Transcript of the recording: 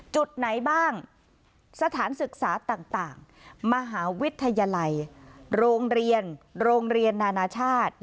จุดไหนบ้างสถานศึกษาต่างมหาวิทยาลัยโรงเรียนโรงเรียนนานาชาติ